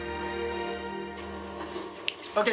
ＯＫ。